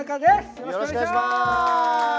よろしくお願いします。